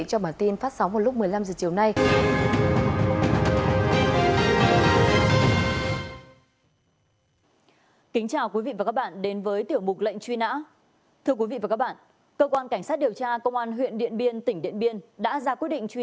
cho bản tin phát sóng vào lúc một mươi năm h chiều nay